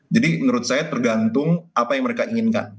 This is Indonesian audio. jadi menurut saya tergantung apa yang mereka inginkan